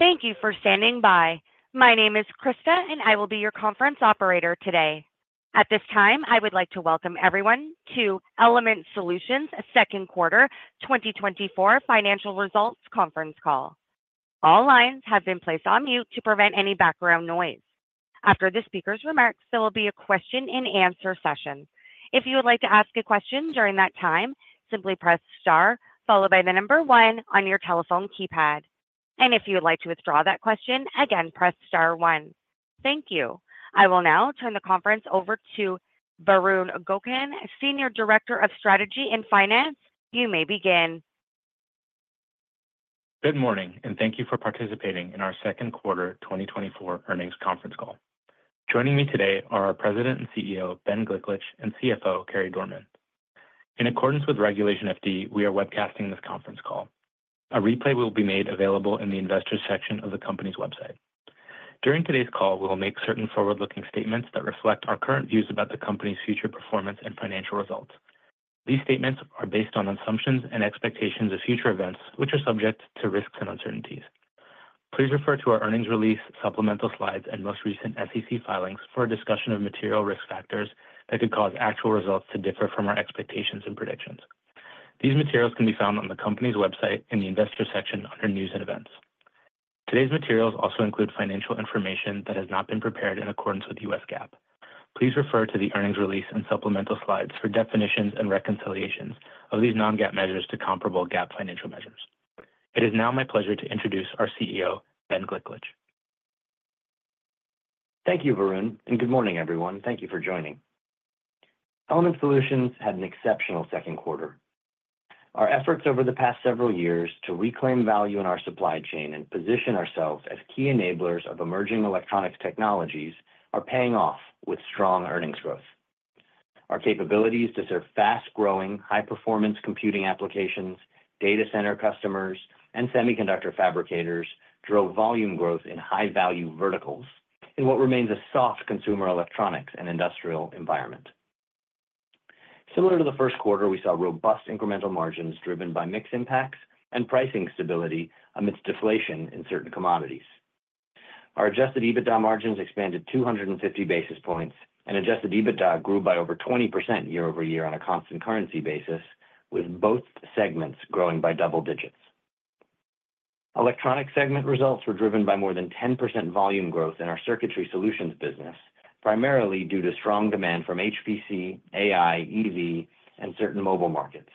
Thank you for standing by. My name is Krista, and I will be your conference operator today. At this time, I would like to welcome everyone to Element Solutions' Second Quarter 2024 Financial Results Conference Call. All lines have been placed on mute to prevent any background noise. After the speaker's remarks, there will be a question-and-answer session. If you would like to ask a question during that time, simply press star followed by the number one on your telephone keypad. If you would like to withdraw that question, again, press star one. Thank you. I will now turn the conference over to Varun Gokarn, Senior Director of Strategy and Finance. You may begin. Good morning, and thank you for participating in our second quarter 2024 earnings conference call. Joining me today are our President and CEO, Ben Gliklich, and CFO, Carey Dorman. In accordance with Regulation FD, we are webcasting this conference call. A replay will be made available in the Investors section of the company's website. During today's call, we will make certain forward-looking statements that reflect our current views about the company's future performance and financial results. These statements are based on assumptions and expectations of future events, which are subject to risks and uncertainties. Please refer to our earnings release, supplemental slides, and most recent SEC filings for a discussion of material risk factors that could cause actual results to differ from our expectations and predictions. These materials can be found on the company's website in the Investors section under News and Events. Today's materials also include financial information that has not been prepared in accordance with the US GAAP. Please refer to the earnings release and supplemental slides for definitions and reconciliations of these non-GAAP measures to comparable GAAP financial measures. It is now my pleasure to introduce our CEO, Ben Gliklich. Thank you, Varun, and good morning, everyone. Thank you for joining. Element Solutions had an exceptional second quarter. Our efforts over the past several years to reclaim value in our supply chain and position ourselves as key enablers of emerging electronics technologies are paying off with strong earnings growth. Our capabilities to serve fast-growing, high-performance computing applications, data center customers, and semiconductor fabricators drove volume growth in high-value verticals in what remains a soft consumer electronics and industrial environment. Similar to the first quarter, we saw robust incremental margins driven by mix impacts and pricing stability amidst deflation in certain commodities. Our adjusted EBITDA margins expanded 250 basis points, and adjusted EBITDA grew by over 20% year-over-year on a constant currency basis, with both segments growing by double digits. Electronics segment results were driven by more than 10% volume growth in our circuitry solutions business, primarily due to strong demand from HPC, AI, EV, and certain mobile markets.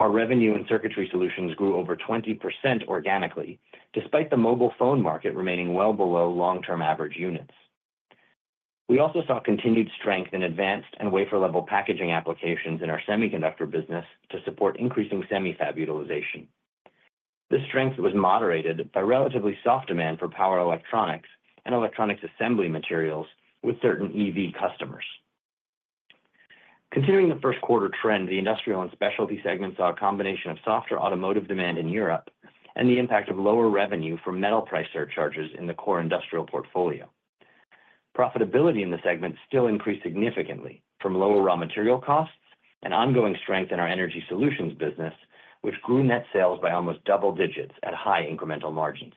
Our revenue and circuitry solutions grew over 20% organically, despite the mobile phone market remaining well below long-term average units. We also saw continued strength in advanced and wafer-level packaging applications in our semiconductor business to support increasing semi-fab utilization. This strength was moderated by relatively soft demand for power electronics and electronics assembly materials with certain EV customers. Continuing the first quarter trend, the industrial and specialty segments saw a combination of softer automotive demand in Europe and the impact of lower revenue from metal price surcharges in the core industrial portfolio. Profitability in the segment still increased significantly from lower raw material costs and ongoing strength in our energy solutions business, which grew net sales by almost double digits at high incremental margins.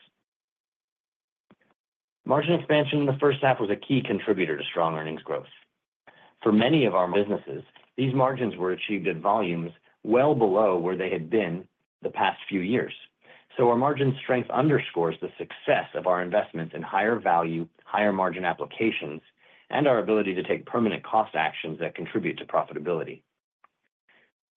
Margin expansion in the first half was a key contributor to strong earnings growth. For many of our businesses, these margins were achieved at volumes well below where they had been the past few years. So our margin strength underscores the success of our investments in higher value, higher margin applications, and our ability to take permanent cost actions that contribute to profitability.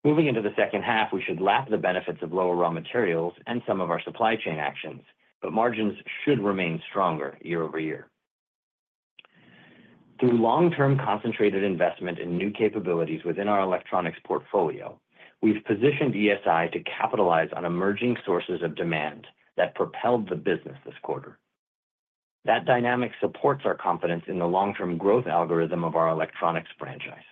Moving into the second half, we should lap the benefits of lower raw materials and some of our supply chain actions, but margins should remain stronger year-over-year. Through long-term concentrated investment in new capabilities within our electronics portfolio, we've positioned ESI to capitalize on emerging sources of demand that propelled the business this quarter. That dynamic supports our confidence in the long-term growth algorithm of our electronics franchise.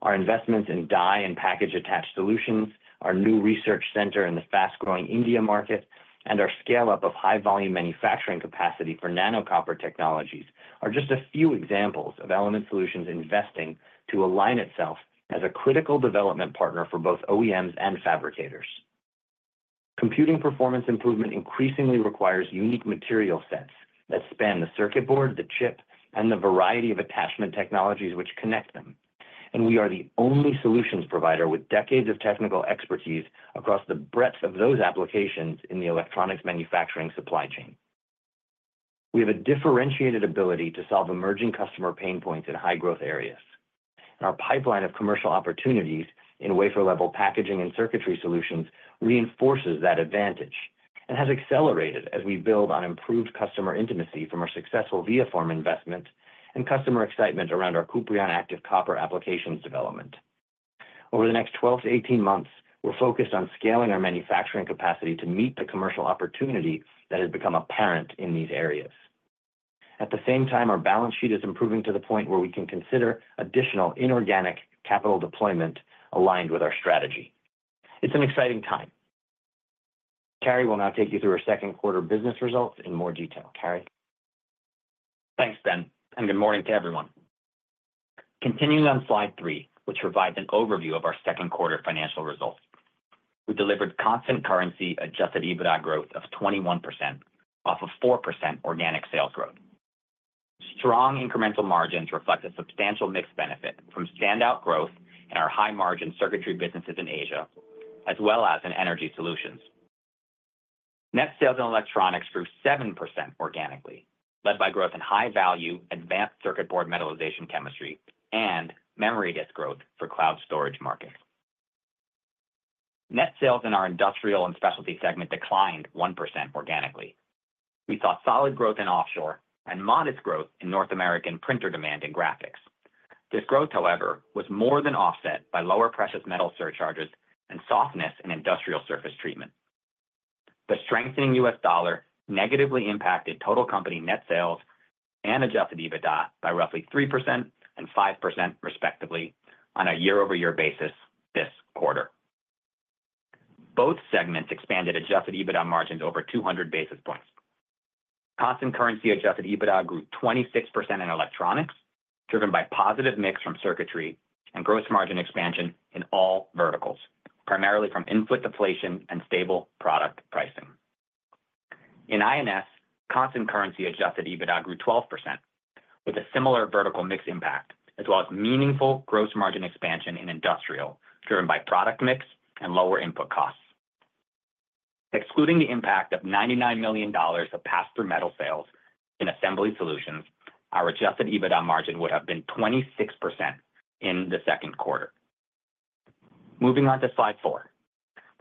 Our investments in die and package attach solutions, our new research center in the fast-growing India market, and our scale-up of high-volume manufacturing capacity for nano copper technologies are just a few examples of Element Solutions investing to align itself as a critical development partner for both OEMs and fabricators. Computing performance improvement increasingly requires unique material sets that span the circuit board, the chip, and the variety of attachment technologies which connect them, and we are the only solutions provider with decades of technical expertise across the breadth of those applications in the electronics manufacturing supply chain. We have a differentiated ability to solve emerging customer pain points in high-growth areas, and our pipeline of commercial opportunities in wafer-level packaging and circuitry solutions reinforces that advantage and has accelerated as we build on improved customer intimacy from our successful ViaForm investment and customer excitement around our Kuprion Active Copper applications development. Over the next 12-18 months, we're focused on scaling our manufacturing capacity to meet the commercial opportunity that has become apparent in these areas. At the same time, our balance sheet is improving to the point where we can consider additional inorganic capital deployment aligned with our strategy. It's an exciting time. Carey will now take you through our second quarter business results in more detail. Carey?... Thanks, Ben, and good morning to everyone. Continuing on slide three, which provides an overview of our second quarter financial results. We delivered constant currency adjusted EBITDA growth of 21% off of 4% organic sales growth. Strong incremental margins reflect a substantial mix benefit from standout growth in our high-margin circuitry businesses in Asia, as well as in energy solutions. Net sales in electronics grew 7% organically, led by growth in high-value, advanced circuit board metallization chemistry and memory disk growth for cloud storage markets. Net sales in our industrial and specialty segment declined 1% organically. We saw solid growth in offshore and modest growth in North American printer demand in graphics. This growth, however, was more than offset by lower precious metal surcharges and softness in industrial surface treatment. The strengthening U.S. dollar negatively impacted total company net sales and adjusted EBITDA by roughly 3% and 5% respectively on a year-over-year basis this quarter. Both segments expanded adjusted EBITDA margins over 200 basis points. Constant currency adjusted EBITDA grew 26% in electronics, driven by positive mix from circuitry and gross margin expansion in all verticals, primarily from input deflation and stable product pricing. In INS, constant currency adjusted EBITDA grew 12%, with a similar vertical mix impact, as well as meaningful gross margin expansion in industrial, driven by product mix and lower input costs. Excluding the impact of $99 million of pass-through metal sales in assembly solutions, our adjusted EBITDA margin would have been 26% in the second quarter. Moving on to slide four,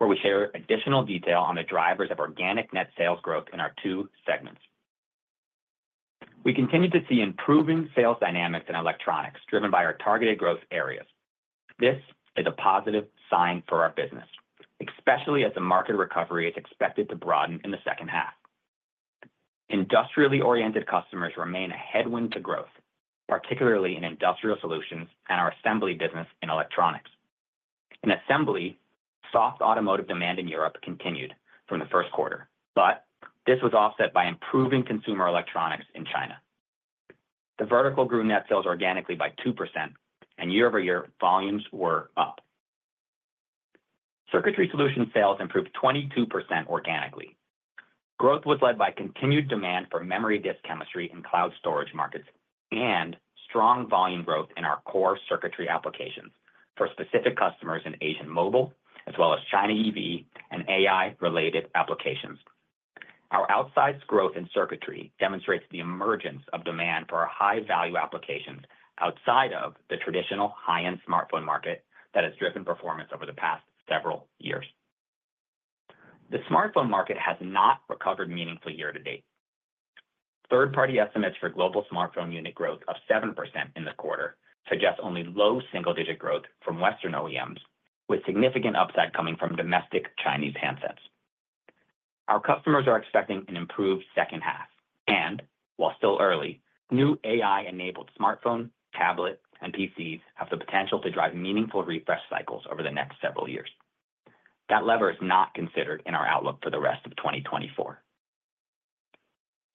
where we share additional detail on the drivers of organic net sales growth in our two segments. We continue to see improving sales dynamics in electronics, driven by our targeted growth areas. This is a positive sign for our business, especially as the market recovery is expected to broaden in the second half. Industrially-oriented customers remain a headwind to growth, particularly in industrial solutions and our assembly business in electronics. In assembly, soft automotive demand in Europe continued from the first quarter, but this was offset by improving consumer electronics in China. The vertical grew net sales organically by 2%, and year-over-year volumes were up. Circuitry solutions sales improved 22% organically. Growth was led by continued demand for memory disk chemistry in cloud storage markets and strong volume growth in our core circuitry applications for specific customers in Asian mobile, as well as China EV and AI-related applications. Our outsized growth in circuitry demonstrates the emergence of demand for our high-value applications outside of the traditional high-end smartphone market that has driven performance over the past several years. The smartphone market has not recovered meaningfully year to date. Third-party estimates for global smartphone unit growth of 7% in the quarter suggest only low single-digit growth from Western OEMs, with significant upside coming from domestic Chinese handsets. Our customers are expecting an improved second half, and while still early, new AI-enabled smartphone, tablet, and PCs have the potential to drive meaningful refresh cycles over the next several years. That lever is not considered in our outlook for the rest of 2024.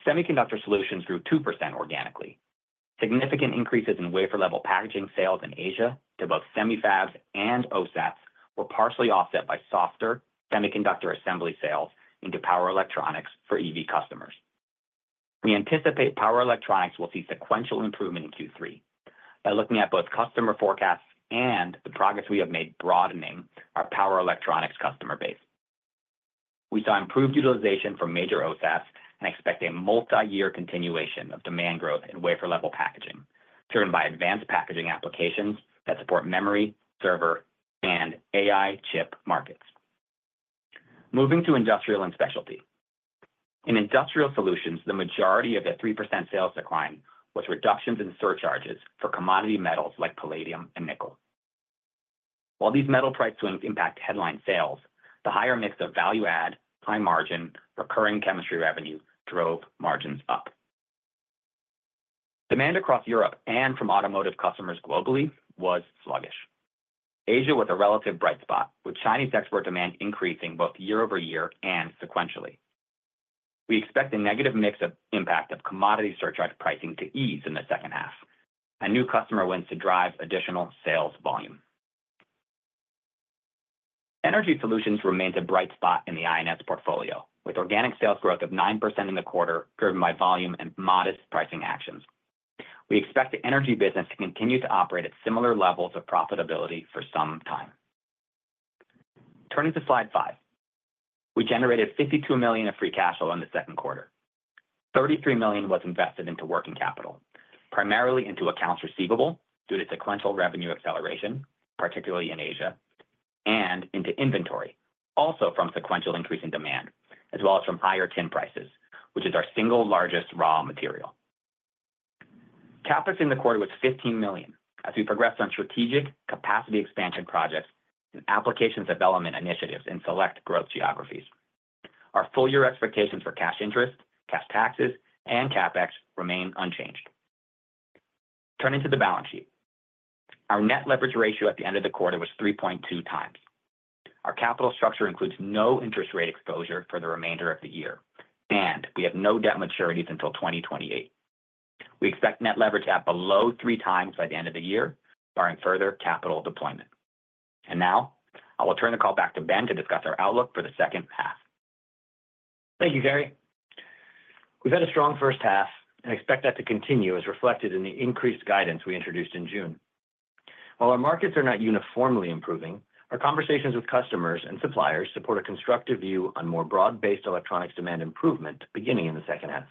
Semiconductor solutions grew 2% organically. Significant increases in wafer-level packaging sales in Asia to both semi fabs and OSATs were partially offset by softer semiconductor assembly sales into power electronics for EV customers. We anticipate power electronics will see sequential improvement in Q3 by looking at both customer forecasts and the progress we have made broadening our power electronics customer base. We saw improved utilization from major OSATs and expect a multi-year continuation of demand growth in wafer-level packaging, driven by advanced packaging applications that support memory, server, and AI chip markets. Moving to industrial and specialty. In industrial solutions, the majority of the 3% sales decline was reductions in surcharges for commodity metals like palladium and nickel. While these metal price swings impact headline sales, the higher mix of value add, high margin, recurring chemistry revenue drove margins up. Demand across Europe and from automotive customers globally was sluggish. Asia was a relative bright spot, with Chinese export demand increasing both year-over-year and sequentially. We expect a negative mix of impact of commodity surcharge pricing to ease in the second half, and new customer wins to drive additional sales volume. Energy solutions remains a bright spot in the INS portfolio, with organic sales growth of 9% in the quarter, driven by volume and modest pricing actions. We expect the energy business to continue to operate at similar levels of profitability for some time. Turning to slide five. We generated $52 million of free cash flow in the second quarter. $33 million was invested into working capital, primarily into accounts receivable due to sequential revenue acceleration, particularly in Asia, and into inventory, also from sequential increase in demand, as well as from higher tin prices, which is our single largest raw material. CapEx in the quarter was $15 million, as we progressed on strategic capacity expansion projects and applications development initiatives in select growth geographies. Our full year expectations for cash interest, cash taxes, and CapEx remain unchanged. Turning to the balance sheet. Our net leverage ratio at the end of the quarter was 3.2x. Our capital structure includes no interest rate exposure for the remainder of the year, and we have no debt maturities until 2028. We expect net leverage at below 3x by the end of the year, barring further capital deployment. And now, I will turn the call back to Ben to discuss our outlook for the second half. Thank you, Carey. We've had a strong first half and expect that to continue, as reflected in the increased guidance we introduced in June. While our markets are not uniformly improving, our conversations with customers and suppliers support a constructive view on more broad-based electronics demand improvement beginning in the second half.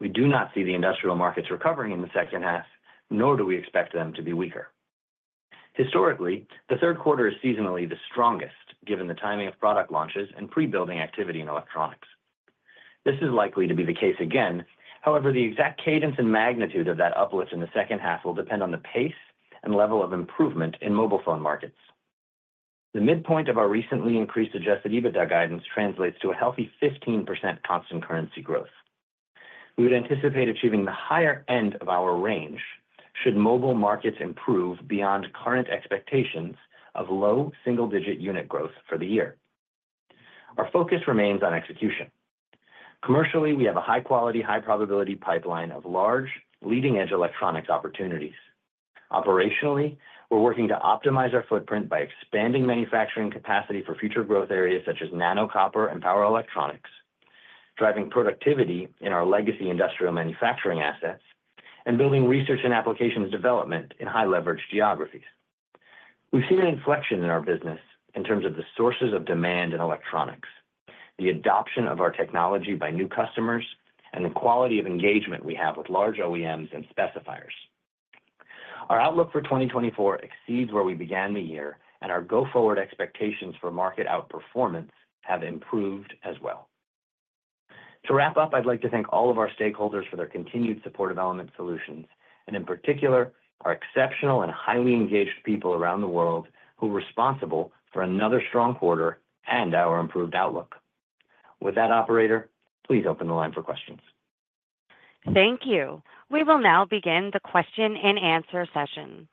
We do not see the industrial markets recovering in the second half, nor do we expect them to be weaker. Historically, the third quarter is seasonally the strongest, given the timing of product launches and pre-building activity in electronics. This is likely to be the case again. However, the exact cadence and magnitude of that uplift in the second half will depend on the pace and level of improvement in mobile phone markets. The midpoint of our recently increased adjusted EBITDA guidance translates to a healthy 15% constant currency growth. We would anticipate achieving the higher end of our range should mobile markets improve beyond current expectations of low single-digit unit growth for the year. Our focus remains on execution. Commercially, we have a high-quality, high-probability pipeline of large, leading-edge electronics opportunities. Operationally, we're working to optimize our footprint by expanding manufacturing capacity for future growth areas, such as nano copper and power electronics, driving productivity in our legacy industrial manufacturing assets, and building research and applications development in high-leverage geographies. We've seen an inflection in our business in terms of the sources of demand in electronics, the adoption of our technology by new customers, and the quality of engagement we have with large OEMs and specifiers. Our outlook for 2024 exceeds where we began the year, and our go-forward expectations for market outperformance have improved as well. To wrap up, I'd like to thank all of our stakeholders for their continued support of Element Solutions, and in particular, our exceptional and highly engaged people around the world, who are responsible for another strong quarter and our improved outlook. With that, operator, please open the line for questions. Thank you. We will now begin the question-and-answer session.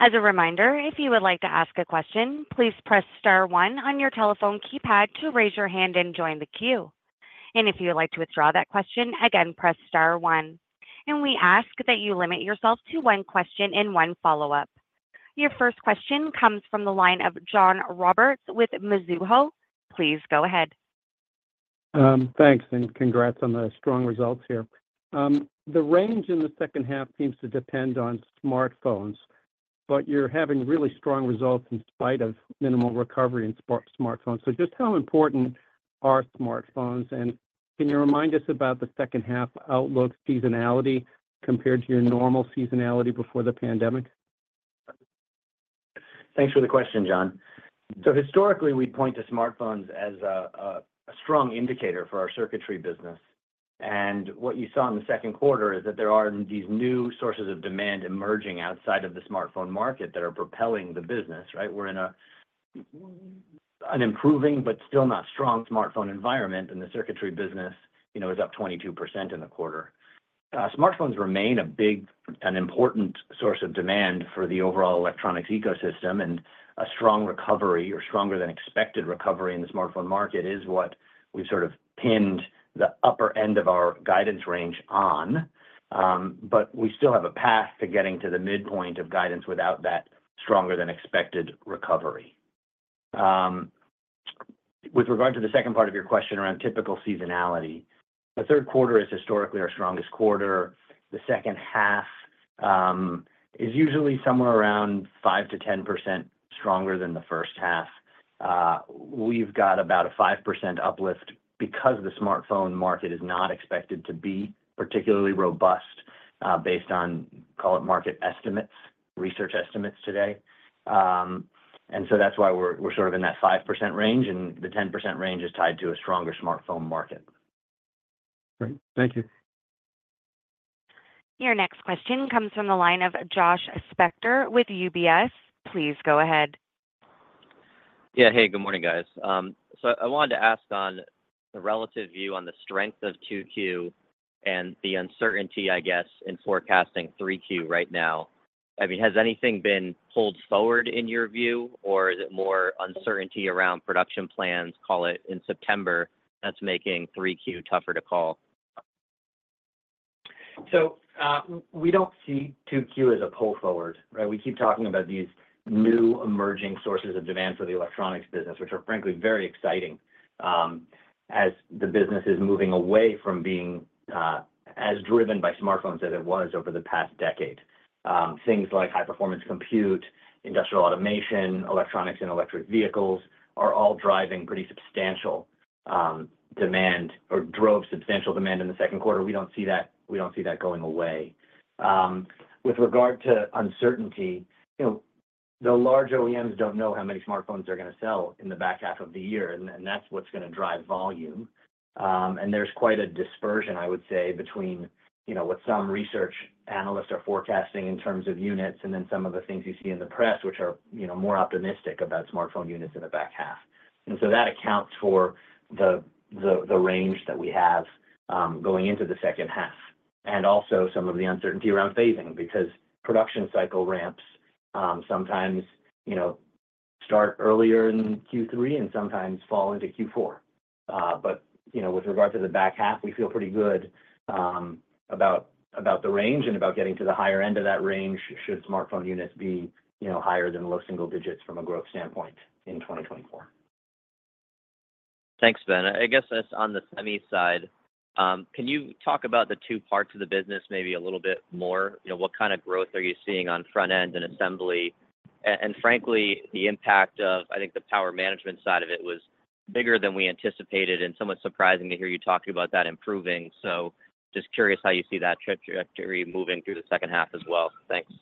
As a reminder, if you would like to ask a question, please press star one on your telephone keypad to raise your hand and join the queue. If you would like to withdraw that question, again, press star one. We ask that you limit yourself to one question and one follow-up. Your first question comes from the line of John Roberts with Mizuho. Please go ahead. Thanks, and congrats on the strong results here. The range in the second half seems to depend on smartphones, but you're having really strong results in spite of minimal recovery in smartphones. Just how important are smartphones? And can you remind us about the second half outlook seasonality compared to your normal seasonality before the pandemic? Thanks for the question, John. So historically, we'd point to smartphones as a strong indicator for our circuitry business. And what you saw in the second quarter is that there are these new sources of demand emerging outside of the smartphone market that are propelling the business, right? We're in an improving but still not strong smartphone environment, and the circuitry business, you know, is up 22% in the quarter. Smartphones remain a big and important source of demand for the overall electronics ecosystem, and a strong recovery or stronger than expected recovery in the smartphone market is what we've sort of pinned the upper end of our guidance range on. But we still have a path to getting to the midpoint of guidance without that stronger than expected recovery. With regard to the second part of your question around typical seasonality, the third quarter is historically our strongest quarter. The second half is usually somewhere around 5%-10% stronger than the first half. We've got about a 5% uplift because the smartphone market is not expected to be particularly robust, based on, call it, market estimates, research estimates today. And so that's why we're sort of in that 5% range, and the 10% range is tied to a stronger smartphone market. Great. Thank you. Your next question comes from the line of Josh Spector with UBS. Please go ahead. Yeah. Hey, good morning, guys. So I wanted to ask on the relative view on the strength of 2Q and the uncertainty, I guess, in forecasting 3Q right now. I mean, has anything been pulled forward in your view, or is it more uncertainty around production plans, call it in September, that's making 3Q tougher to call? So, we don't see 2Q as a pull forward, right? We keep talking about these new emerging sources of demand for the electronics business, which are, frankly, very exciting, as the business is moving away from being, as driven by smartphones as it was over the past decade. Things like high-performance compute, industrial automation, electronics, and electric vehicles are all driving pretty substantial demand, or drove substantial demand in the second quarter. We don't see that, we don't see that going away. With regard to uncertainty, you know, the large OEMs don't know how many smartphones they're gonna sell in the back half of the year, and that's what's gonna drive volume. And there's quite a dispersion, I would say, between, you know, what some research analysts are forecasting in terms of units and then some of the things you see in the press, which are, you know, more optimistic about smartphone units in the back half. And so that accounts for the range that we have going into the second half, and also some of the uncertainty around phasing. Because production cycle ramps sometimes, you know, start earlier in Q3 and sometimes fall into Q4. But, you know, with regard to the back half, we feel pretty good about the range and about getting to the higher end of that range, should smartphone units be, you know, higher than low single digits from a growth standpoint in 2024. Thanks, Ben. I guess just on the semi side, can you talk about the two parts of the business maybe a little bit more? You know, what kind of growth are you seeing on front end and assembly? And frankly, the impact of, I think, the power management side of it was bigger than we anticipated, and somewhat surprising to hear you talk about that improving. So just curious how you see that trajectory moving through the second half as well. Thanks.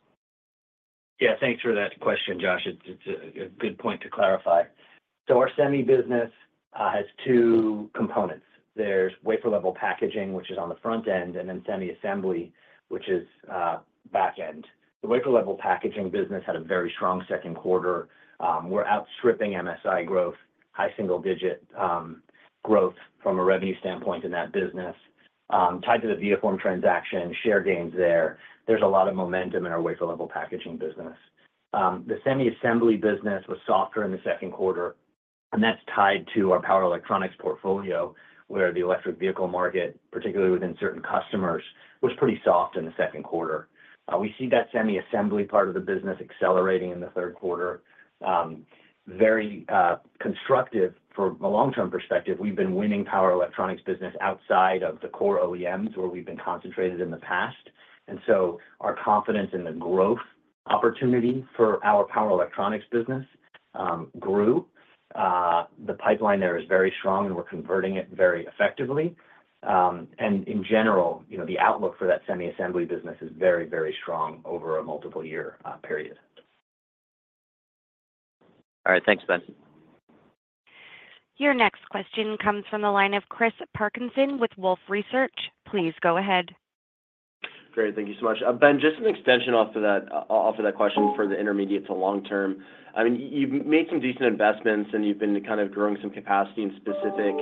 Yeah, thanks for that question, Josh. It's a good point to clarify. So our semi business has two components. There's wafer-level packaging, which is on the front end, and then semi assembly, which is back end. The wafer-level packaging business had a very strong second quarter. We're outstripping MSI growth, high single digit growth from a revenue standpoint in that business. Tied to the ViaForm transaction, share gains there. There's a lot of momentum in our wafer-level packaging business. The semi assembly business was softer in the second quarter, and that's tied to our power electronics portfolio, where the electric vehicle market, particularly within certain customers, was pretty soft in the second quarter. We see that semi assembly part of the business accelerating in the third quarter. Very constructive for a long-term perspective. We've been winning power electronics business outside of the core OEMs, where we've been concentrated in the past. And so our confidence in the growth opportunity for our power electronics business, grew. The pipeline there is very strong, and we're converting it very effectively. And in general, you know, the outlook for that semi-assembly business is very, very strong over a multiple year, period. All right, thanks, Ben. Your next question comes from the line of Chris Parkinson with Wolfe Research. Please go ahead. Great. Thank you so much. Ben, just an extension off of that question for the intermediate to long term. I mean, you've made some decent investments, and you've been kind of growing some capacity in specific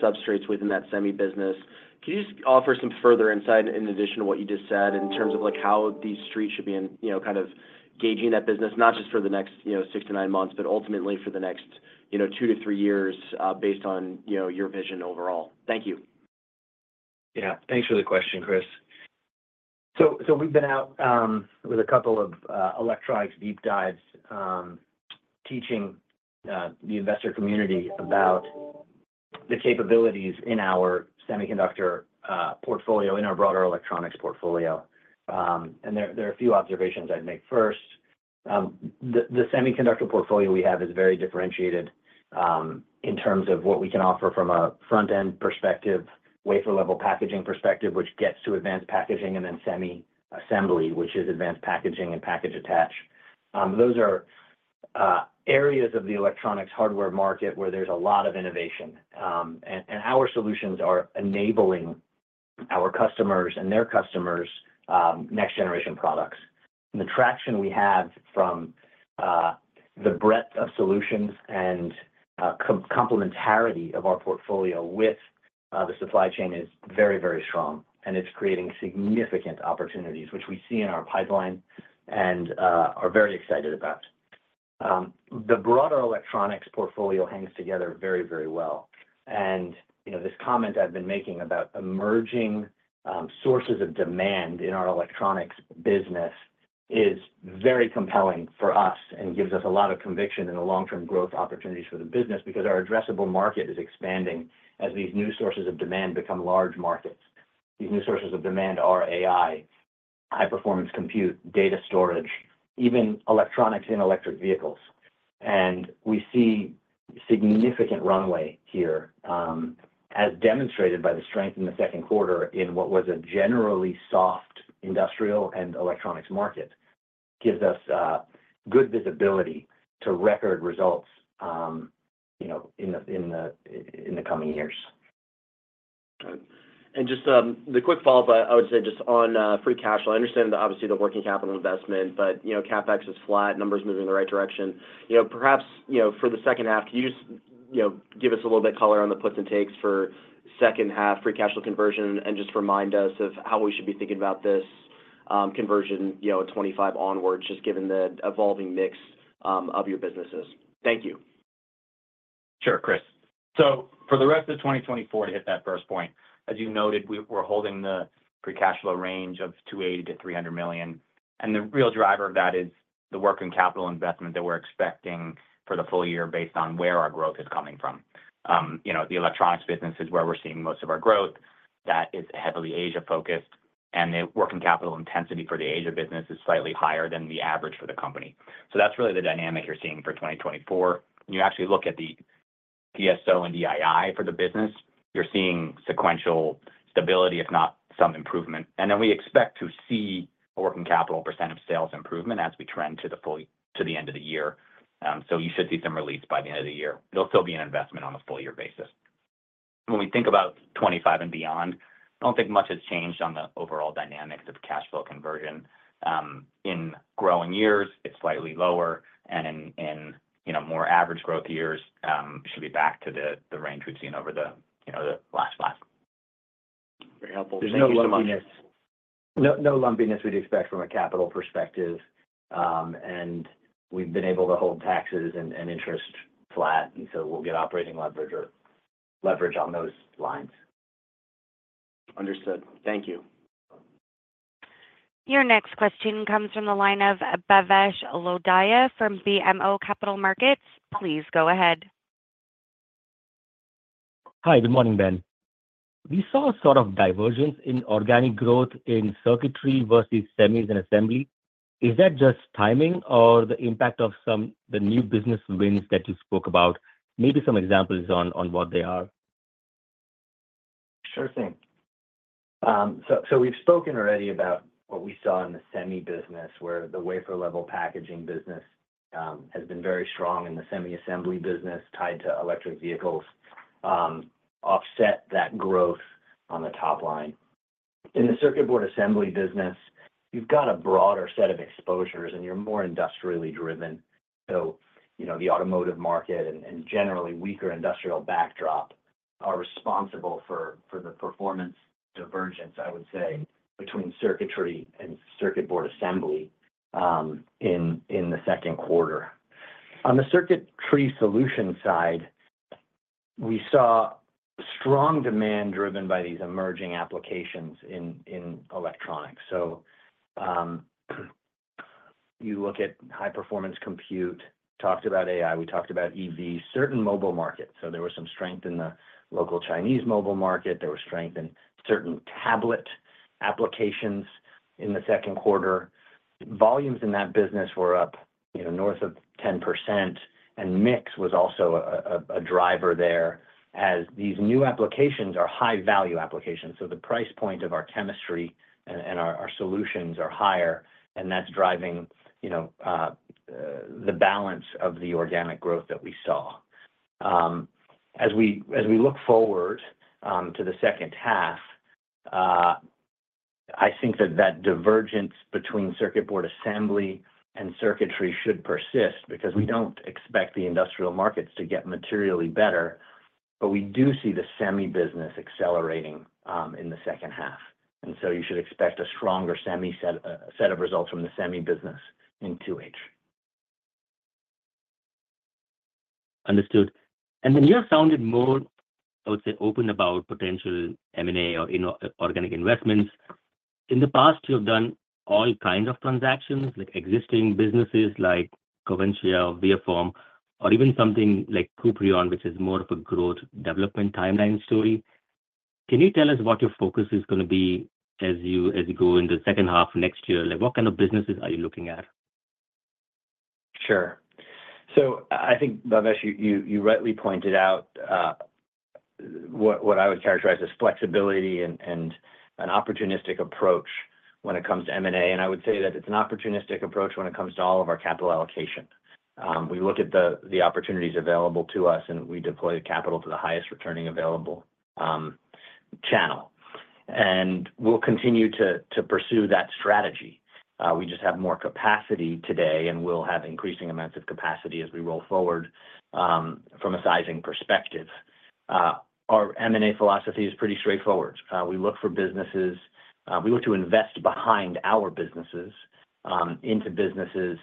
substrates within that semi business. Can you just offer some further insight in addition to what you just said, in terms of, like, how these streets should be in, you know, kind of gauging that business, not just for the next, you know, six to nine months, but ultimately for the next, you know, two to three years, based on, you know, your vision overall? Thank you. Yeah. Thanks for the question, Chris. So we've been out with a couple of electronics deep dives, teaching the investor community about the capabilities in our semiconductor portfolio, in our broader electronics portfolio. And there are a few observations I'd make. First, the semiconductor portfolio we have is very differentiated in terms of what we can offer from a front-end perspective, wafer-level packaging perspective, which gets to advanced packaging, and then semi assembly, which is advanced packaging and package attach. Those are areas of the electronics hardware market where there's a lot of innovation, and our solutions are enabling our customers and their customers next generation products. The traction we have from the breadth of solutions and complementarity of our portfolio with the supply chain is very, very strong, and it's creating significant opportunities, which we see in our pipeline and are very excited about. The broader electronics portfolio hangs together very, very well. And, you know, this comment I've been making about emerging sources of demand in our electronics business is very compelling for us, and gives us a lot of conviction in the long-term growth opportunities for the business, because our addressable market is expanding as these new sources of demand become large markets. These new sources of demand are AI, high performance compute, data storage, even electronics in electric vehicles. And we see significant runway here, as demonstrated by the strength in the second quarter, in what was a generally soft industrial and electronics market. Gives us good visibility to record results, you know, in the coming years. Okay. And just, the quick follow-up, I would say just on, free cash flow. I understand that obviously the working capital investment, but, you know, CapEx is flat, numbers moving in the right direction. You know, perhaps, you know, for the second half, can you just, you know, give us a little bit color on the puts and takes for second half free cash flow conversion, and just remind us of how we should be thinking about this, conversion, you know, at 25 onwards, just given the evolving mix, of your businesses. Thank you. Sure, Chris. So for the rest of 2024, to hit that first point, as you noted, we're holding the free cash flow range of $280 million-$300 million, and the real driver of that is the working capital investment that we're expecting for the full year, based on where our growth is coming from. You know, the electronics business is where we're seeing most of our growth. That is heavily Asia focused, and the working capital intensity for the Asia business is slightly higher than the average for the company. So that's really the dynamic you're seeing for 2024. When you actually look at the DSO and DII for the business, you're seeing sequential stability, if not some improvement. And then we expect to see a working capital % of sales improvement as we trend to the end of the year. So you should see some release by the end of the year. It'll still be an investment on a full year basis. When we think about 25 and beyond, I don't think much has changed on the overall dynamics of cash flow conversion. In growing years, it's slightly lower, and in you know, more average growth years, it should be back to the range we've seen over the you know, the last years.... Very helpful. Thank you so much. No, no lumpiness we'd expect from a capital perspective, and we've been able to hold taxes and interest flat, and so we'll get operating leverage or leverage on those lines. Understood. Thank you. Your next question comes from the line of Bhavesh Lodaya from BMO Capital Markets. Please go ahead. Hi, good morning, Ben. We saw sort of divergence in organic growth in circuitry versus semis and assembly. Is that just timing or the impact of some, the new business wins that you spoke about? Maybe some examples on what they are. Sure thing. So we've spoken already about what we saw in the semi business, where the wafer-level packaging business has been very strong, and the semi assembly business tied to electric vehicles offset that growth on the top line. In the circuit board assembly business, you've got a broader set of exposures, and you're more industrially driven. So, you know, the automotive market and generally weaker industrial backdrop are responsible for the performance divergence, I would say, between circuitry and circuit board assembly in the second quarter. On the circuitry solution side, we saw strong demand driven by these emerging applications in electronics. So you look at high-performance compute, talked about AI, we talked about EV, certain mobile markets. So there was some strength in the local Chinese mobile market. There was strength in certain tablet applications in the second quarter. Volumes in that business were up, you know, north of 10%, and mix was also a driver there as these new applications are high-value applications. So the price point of our chemistry and our solutions are higher, and that's driving, you know, the balance of the organic growth that we saw. As we look forward to the second half, I think that that divergence between circuit board assembly and circuitry should persist because we don't expect the industrial markets to get materially better, but we do see the semi business accelerating in the second half. And so you should expect a stronger semi set, set of results from the semi business in 2H. Understood. And then you have sounded more, I would say, open about potential M&A or, you know, organic investments. In the past, you've done all kinds of transactions, like existing businesses, like Coventya, ViaForm, or even something like Kuprion, which is more of a growth development timeline story. Can you tell us what your focus is gonna be as you, as you go into the second half of next year? Like, what kind of businesses are you looking at? Sure. So I think, Bhavesh, you rightly pointed out what I would characterize as flexibility and an opportunistic approach when it comes to M&A. And I would say that it's an opportunistic approach when it comes to all of our capital allocation. We look at the opportunities available to us, and we deploy capital to the highest returning available channel. And we'll continue to pursue that strategy. We just have more capacity today, and we'll have increasing amounts of capacity as we roll forward, from a sizing perspective. Our M&A philosophy is pretty straightforward. We look to invest behind our businesses, into businesses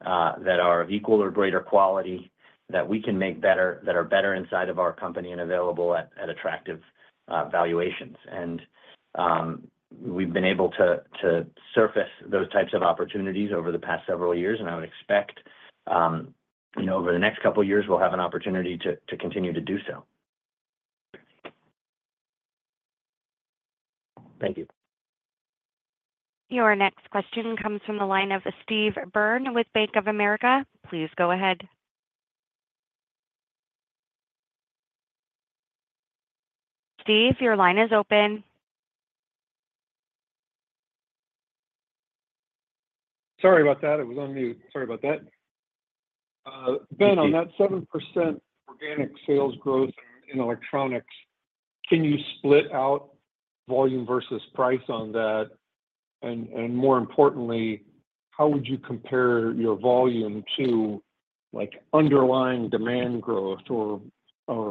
that are of equal or greater quality, that we can make better, that are better inside of our company and available at attractive valuations. We've been able to surface those types of opportunities over the past several years, and I would expect, you know, over the next couple of years, we'll have an opportunity to continue to do so. Thank you. Your next question comes from the line of Steve Byrne with Bank of America. Please go ahead. Steve, your line is open. Sorry about that. I was on mute. Sorry about that. Thank you. Ben, on that 7% organic sales growth in electronics, can you split out volume versus price on that? And more importantly, how would you compare your volume to, like, underlying demand growth or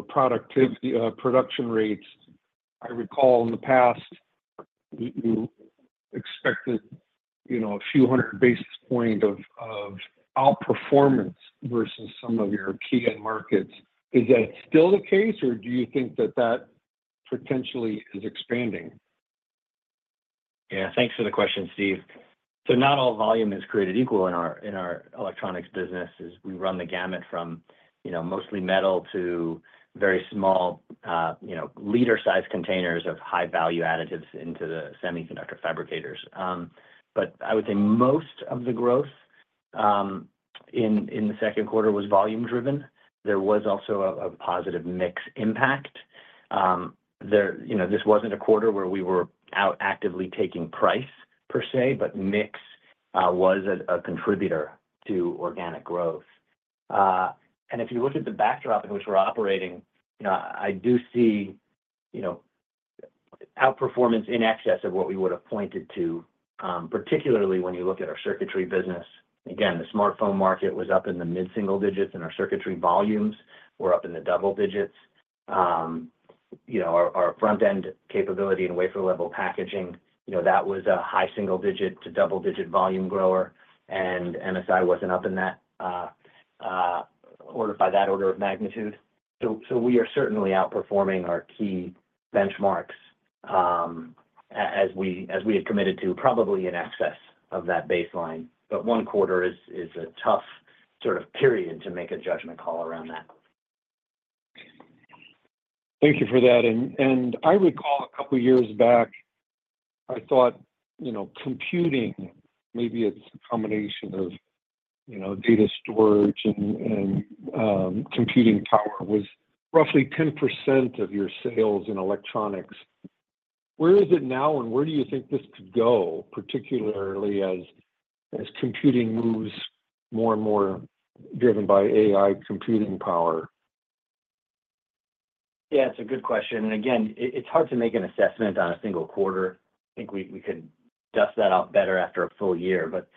productivity, production rates? I recall in the past, you expected, you know, a few hundred basis points of outperformance versus some of your key end markets. Is that still the case, or do you think that that potentially is expanding? Yeah, thanks for the question, Steve. So not all volume is created equal in our electronics businesses. We run the gamut from, you know, mostly metal to very small, you know, liter-sized containers of high-value additives into the semiconductor fabricators. But I would say most of the growth in the second quarter was volume driven. There was also a positive mix impact. You know, this wasn't a quarter where we were out actively taking price per se, but mix was a contributor to organic growth. And if you look at the backdrop in which we're operating, you know, I do see, you know, outperformance in excess of what we would have pointed to, particularly when you look at our circuitry business. Again, the smartphone market was up in the mid-single digits, and our circuitry volumes were up in the double digits. You know, our front-end capability and wafer-level packaging, you know, that was a high single-digit to double-digit volume grower, and NSI wasn't up in that order, by that order of magnitude. So we are certainly outperforming our key benchmarks, as we had committed to, probably in excess of that baseline. But one quarter is a tough sort of period to make a judgment call around that. Thank you for that. I recall a couple of years back, I thought, you know, computing, maybe it's a combination of, you know, data storage and computing power, was roughly 10% of your sales in electronics. Where is it now, and where do you think this could go, particularly as computing moves more and more driven by AI computing power? Yeah, it's a good question, and again, it's hard to make an assessment on a single quarter. I think we could dust that out better after a full year. But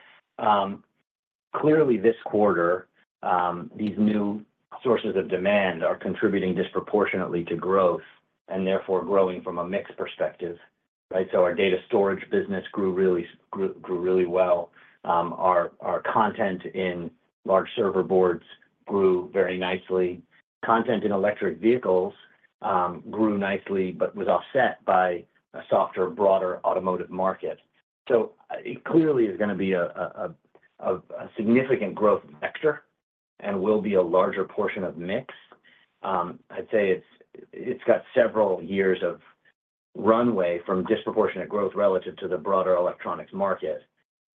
clearly this quarter, these new sources of demand are contributing disproportionately to growth, and therefore growing from a mix perspective, right? So our data storage business grew really well. Our content in large server boards grew very nicely. Content in electric vehicles grew nicely, but was offset by a softer, broader automotive market. So it clearly is gonna be a significant growth vector and will be a larger portion of mix. I'd say it's got several years of runway from disproportionate growth relative to the broader electronics market.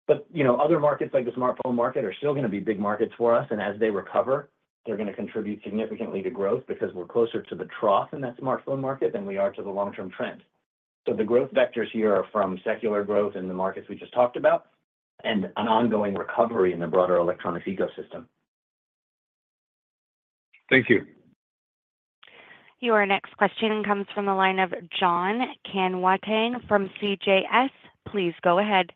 But, you know, other markets, like the smartphone market, are still gonna be big markets for us, and as they recover, they're gonna contribute significantly to growth because we're closer to the trough in that smartphone market than we are to the long-term trend. So the growth vectors here are from secular growth in the markets we just talked about and an ongoing recovery in the broader electronics ecosystem. Thank you. Your next question comes from the line of Jon Tanwanteng from CJS. Please go ahead.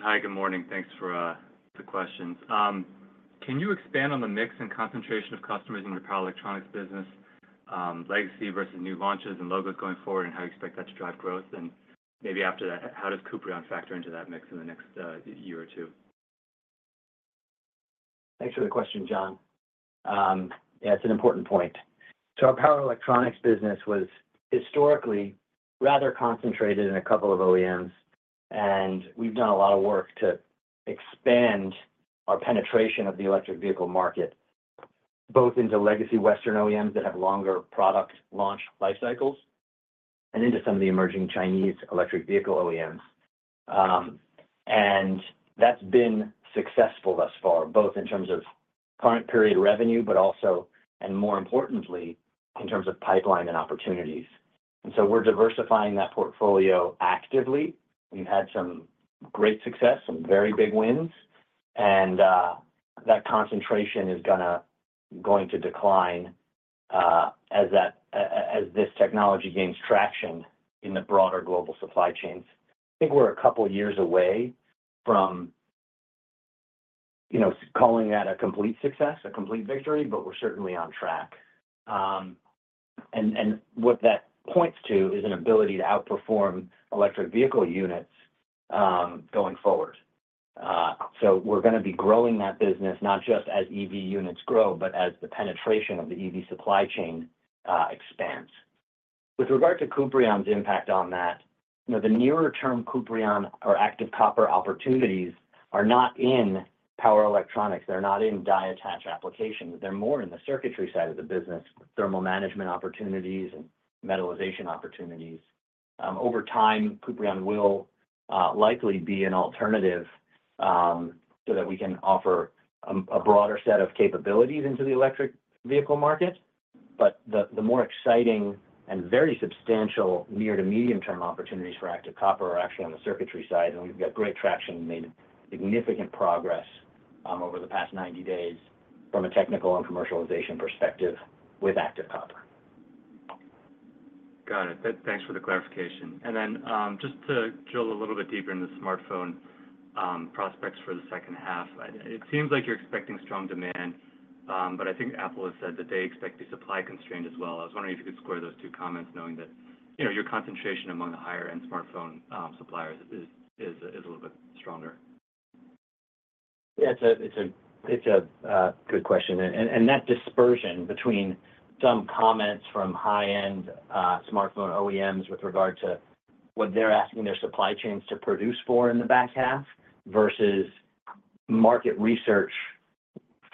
Hi, good morning. Thanks for the questions. Can you expand on the mix and concentration of customers in your power electronics business, legacy versus new launches and logos going forward, and how you expect that to drive growth? And maybe after that, how does Kuprion factor into that mix in the next year or two? Thanks for the question, Jon. Yeah, it's an important point. So our power electronics business was historically rather concentrated in a couple of OEMs, and we've done a lot of work to expand our penetration of the electric vehicle market, both into legacy Western OEMs that have longer product launch life cycles and into some of the emerging Chinese electric vehicle OEMs. And that's been successful thus far, both in terms of current period revenue, but also, and more importantly, in terms of pipeline and opportunities. And so we're diversifying that portfolio actively. We've had some great success, some very big wins, and that concentration is going to decline as this technology gains traction in the broader global supply chains. I think we're a couple of years away from, you know, calling that a complete success, a complete victory, but we're certainly on track. And what that points to is an ability to outperform electric vehicle units, going forward. So we're gonna be growing that business not just as EV units grow, but as the penetration of the EV supply chain expands. With regard to Kuprion's impact on that, you know, the nearer-term Kuprion or Active Copper opportunities are not in power electronics. They're not in die-attach applications. They're more in the circuitry side of the business, thermal management opportunities and metallization opportunities. Over time, Kuprion will likely be an alternative, so that we can offer a broader set of capabilities into the electric vehicle market. But the more exciting and very substantial near- to medium-term opportunities for Active Copper are actually on the circuitry side, and we've got great traction and made significant progress over the past 90 days from a technical and commercialization perspective with Active Copper. Got it. Thanks for the clarification. And then, just to drill a little bit deeper into the smartphone prospects for the second half, it seems like you're expecting strong demand, but I think Apple has said that they expect a supply constraint as well. I was wondering if you could square those two comments, knowing that, you know, your concentration among the higher-end smartphone suppliers is a little bit stronger. Yeah, it's a good question, and that dispersion between some comments from high-end smartphone OEMs with regard to what they're asking their supply chains to produce for in the back half versus market research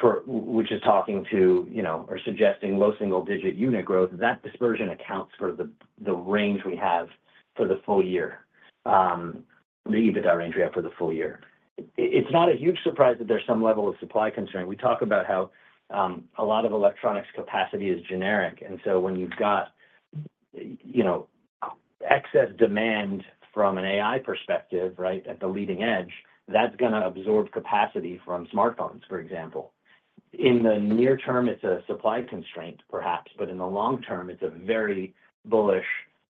for which is talking to, you know, or suggesting low single-digit unit growth, that dispersion accounts for the range we have for the full year, maybe the range we have for the full year. It's not a huge surprise that there's some level of supply concern. We talk about how a lot of electronics capacity is generic, and so when you've got, you know, excess demand from an AI perspective, right, at the leading edge, that's gonna absorb capacity from smartphones, for example.... In the near term, it's a supply constraint perhaps, but in the long term, it's a very bullish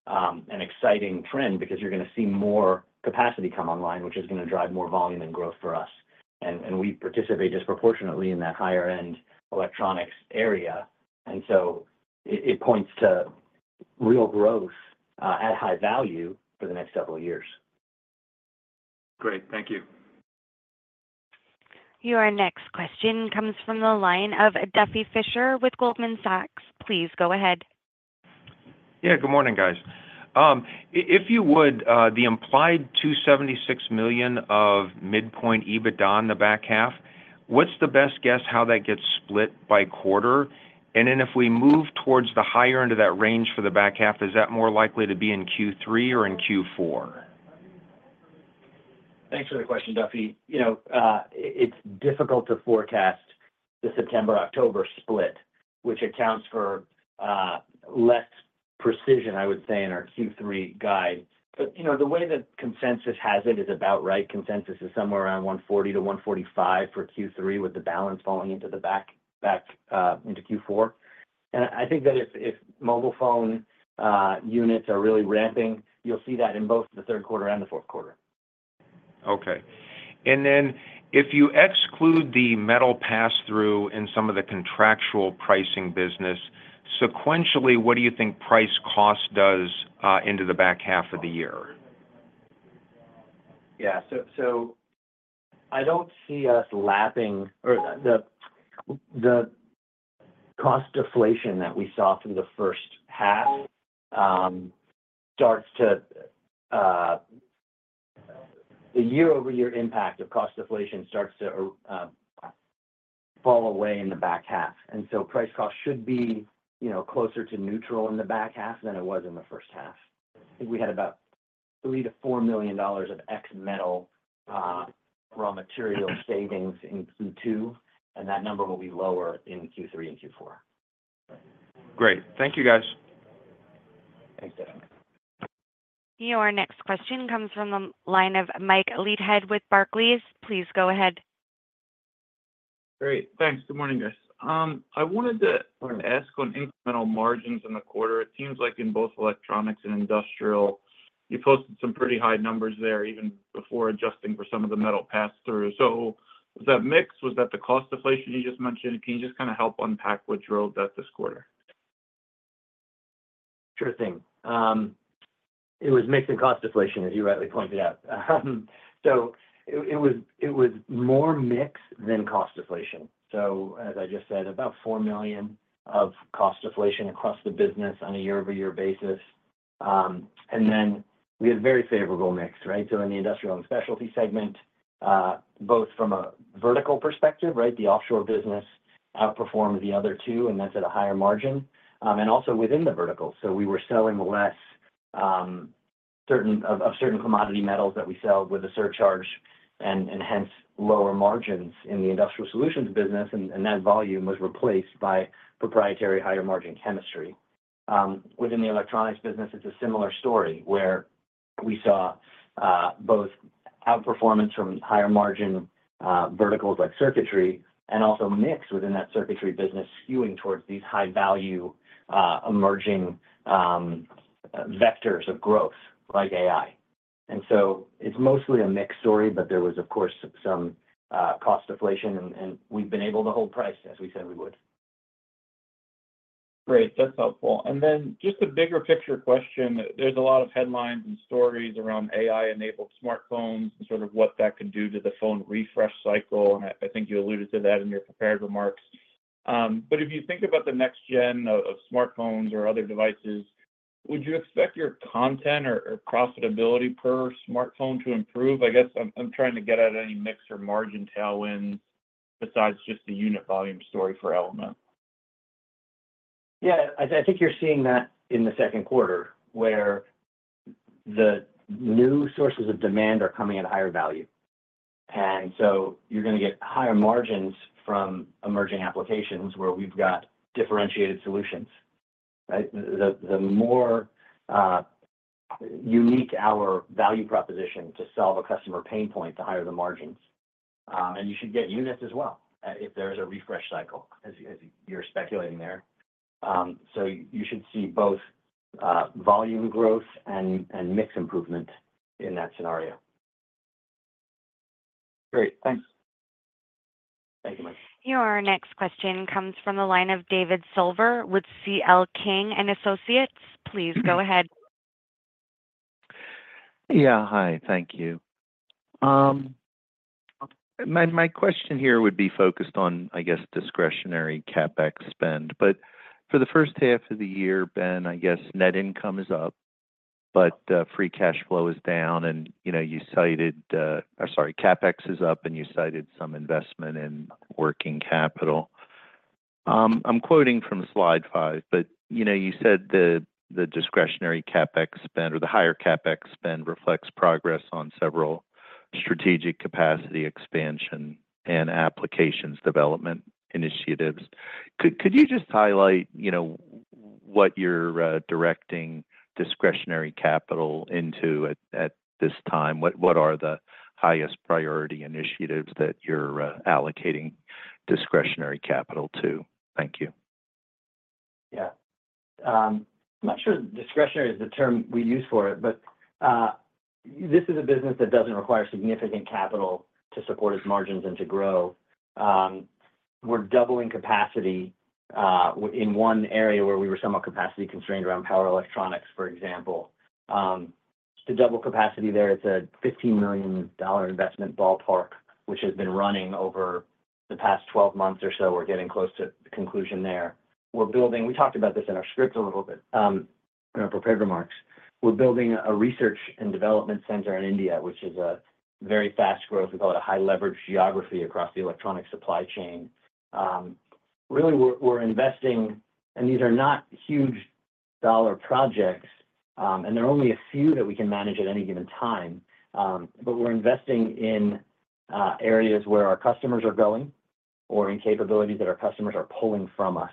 and exciting trend because you're gonna see more capacity come online, which is gonna drive more volume and growth for us. And we participate disproportionately in that higher end electronics area. And so it points to real growth at high value for the next several years. Great. Thank you. Your next question comes from the line of Duffy Fischer with Goldman Sachs. Please go ahead. Yeah, good morning, guys. If you would, the implied $276 million of midpoint EBITDA in the back half, what's the best guess how that gets split by quarter? And then if we move towards the higher end of that range for the back half, is that more likely to be in Q3 or in Q4? Thanks for the question, Duffy. You know, it's difficult to forecast the September-October split, which accounts for less precision, I would say, in our Q3 guide. But, you know, the way that consensus has it is about right. Consensus is somewhere around $140-$145 for Q3, with the balance falling into the back into Q4. And I think that if mobile phone units are really ramping, you'll see that in both the third quarter and the fourth quarter. Okay. And then if you exclude the metal pass-through in some of the contractual pricing business, sequentially, what do you think price cost does into the back half of the year? Yeah. So I don't see us lapping – or the cost deflation that we saw through the first half starts to the year-over-year impact of cost deflation starts to fall away in the back half. And so price cost should be, you know, closer to neutral in the back half than it was in the first half. I think we had about $3 million-$4 million of ex metal raw material savings in Q2, and that number will be lower in Q3 and Q4. Great. Thank you, guys. Thanks, Duffy. Your next question comes from the line of Michael Leithead with Barclays. Please go ahead. Great. Thanks. Good morning, guys. I wanted to ask on incremental margins in the quarter. It seems like in both electronics and industrial, you posted some pretty high numbers there, even before adjusting for some of the metal pass-through. So was that mix, was that the cost deflation you just mentioned? Can you just kind of help unpack what drove that this quarter? Sure thing. It was mix and cost deflation, as you rightly pointed out. So it was more mix than cost deflation. So as I just said, about $4 million of cost deflation across the business on a year-over-year basis. And then we had a very favorable mix, right? So in the industrial and specialty segment, both from a vertical perspective, right? The offshore business outperformed the other two, and that's at a higher margin, and also within the vertical. So we were selling less certain commodity metals that we sell with a surcharge and hence, lower margins in the industrial solutions business, and that volume was replaced by proprietary higher margin chemistry. Within the electronics business, it's a similar story, where we saw both outperformance from higher margin verticals like circuitry, and also mix within that circuitry business skewing towards these high value emerging vectors of growth, like AI. And so it's mostly a mixed story, but there was, of course, some cost deflation, and we've been able to hold price, as we said we would. Great. That's helpful. And then just a bigger picture question. There's a lot of headlines and stories around AI-enabled smartphones and sort of what that could do to the phone refresh cycle, and I, I think you alluded to that in your prepared remarks. But if you think about the next-gen of, of smartphones or other devices, would you expect your content or, or profitability per smartphone to improve? I guess I'm, I'm trying to get at any mix or margin tailwind besides just the unit volume story for Element. Yeah, I think you're seeing that in the second quarter, where the new sources of demand are coming at a higher value. And so you're gonna get higher margins from emerging applications where we've got differentiated solutions, right? The more unique our value proposition to solve a customer pain point, the higher the margins. And you should get units as well if there is a refresh cycle, as you're speculating there. So you should see both volume growth and mix improvement in that scenario. Great. Thanks. Thank you, Mike. Your next question comes from the line of David Silver with CL King & Associates. Please go ahead. Yeah. Hi, thank you. My, my question here would be focused on, I guess, discretionary CapEx spend. But for the first half of the year, Ben, I guess net income is up, but free cash flow is down, and, you know, you cited or sorry, CapEx is up, and you cited some investment in working capital. I'm quoting from slide five, but, you know, you said the, the discretionary CapEx spend, or the higher CapEx spend, reflects progress on several strategic capacity expansion and applications development initiatives. Could, could you just highlight, you know, what what you're directing discretionary capital into at, at this time? What, what are the highest priority initiatives that you're allocating discretionary capital to? Thank you. Yeah. I'm not sure discretionary is the term we use for it, but, this is a business that doesn't require significant capital to support its margins and to grow. We're doubling capacity, in one area where we were somewhat capacity constrained around power electronics, for example. To double capacity there, it's a $15 million investment ballpark, which has been running over the past 12 months or so. We're getting close to the conclusion there. We're building. We talked about this in our scripts a little bit, in our prepared remarks. We're building a research and development center in India, which is a very fast growth. We call it a high-leverage geography across the electronic supply chain. Really, we're investing, and these are not huge dollar projects, and there are only a few that we can manage at any given time. But we're investing in areas where our customers are going or in capabilities that our customers are pulling from us.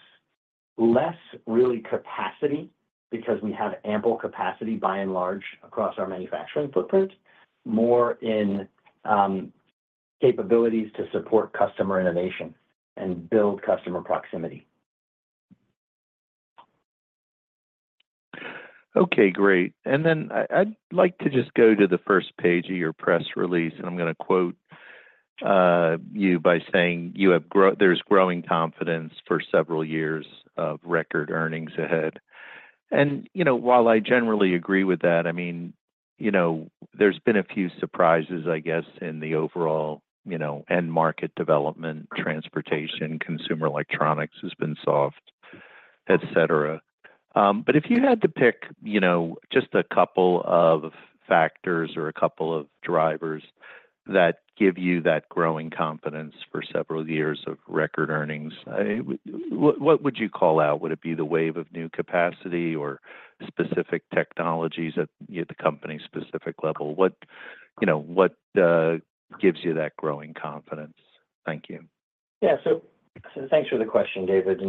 Less really capacity, because we have ample capacity by and large across our manufacturing footprint, more in capabilities to support customer innovation and build customer proximity. Okay, great. And then I'd like to just go to the first page of your press release, and I'm gonna quote you by saying, "There's growing confidence for several years of record earnings ahead." And, you know, while I generally agree with that, I mean, you know, there's been a few surprises, I guess, in the overall, you know, end market development, transportation, consumer electronics has been soft, et cetera. But if you had to pick, you know, just a couple of factors or a couple of drivers that give you that growing confidence for several years of record earnings, what would you call out? Would it be the wave of new capacity or specific technologies at, you know, the company-specific level? What, you know, what gives you that growing confidence? Thank you. Yeah. So thanks for the question, David.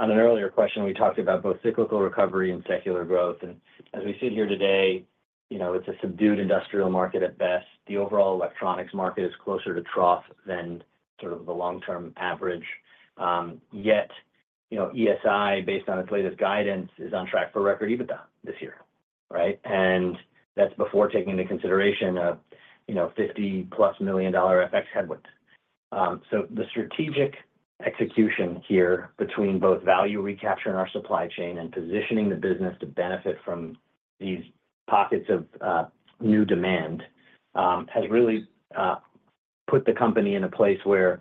On an earlier question, we talked about both cyclical recovery and secular growth. As we sit here today, you know, it's a subdued industrial market at best. The overall electronics market is closer to trough than sort of the long-term average. Yet, you know, ESI, based on its latest guidance, is on track for record EBITDA this year, right? And that's before taking into consideration, you know, $50 million+ FX headwinds. So the strategic execution here between both value recapture in our supply chain and positioning the business to benefit from these pockets of new demand has really put the company in a place where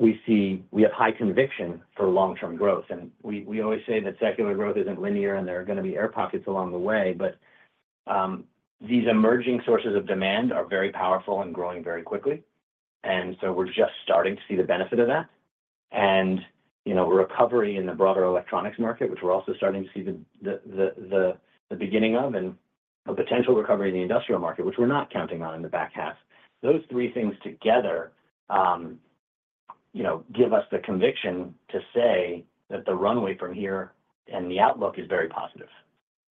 we see we have high conviction for long-term growth. And we always say that secular growth isn't linear, and there are gonna be air pockets along the way, but these emerging sources of demand are very powerful and growing very quickly, and so we're just starting to see the benefit of that. And, you know, recovery in the broader electronics market, which we're also starting to see the beginning of, and a potential recovery in the industrial market, which we're not counting on in the back half. Those three things together, you know, give us the conviction to say that the runway from here and the outlook is very positive.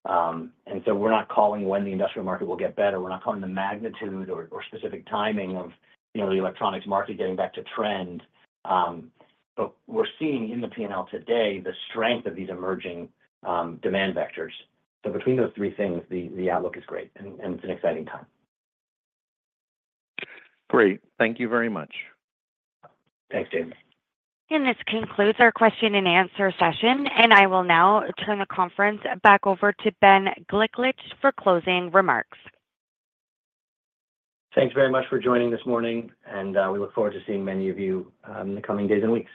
And so we're not calling when the industrial market will get better. We're not calling the magnitude or specific timing of, you know, the electronics market getting back to trend. But we're seeing in the P&L today the strength of these emerging demand vectors. So between those three things, the outlook is great, and it's an exciting time. Great. Thank you very much. Thanks, David. This concludes our question and answer session, and I will now turn the conference back over to Ben Gliklich for closing remarks. Thanks very much for joining this morning, and we look forward to seeing many of you in the coming days and weeks.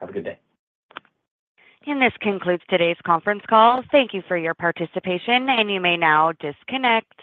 Have a good day. This concludes today's conference call. Thank you for your participation, and you may now disconnect.